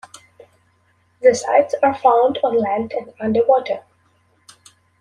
The sites are found on land and underwater.